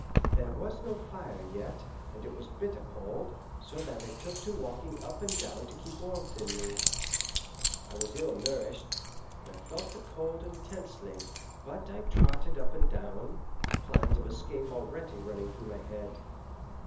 There was no fire yet, and it was bitter cold, so that I took to walking up and down to keep warmth in me. I was ill nourished, and I felt the cold intensely. But I trotted up and down, plans of escape already running through my head.